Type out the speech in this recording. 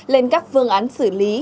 lên các phương án xử lý